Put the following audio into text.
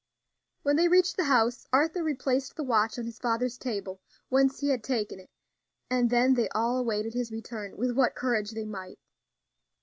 When they reached the house, Arthur replaced the watch on his father's table, whence he had taken it, and then they all awaited his return with what courage they might.